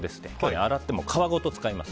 洗って皮ごと使います。